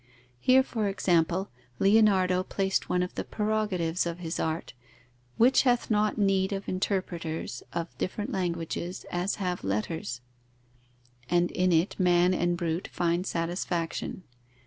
Here, for example, Leonardo placed one of the prerogatives of his art, "which hath not need of interpreters of different languages as have letters," and in it man and brute find satisfaction.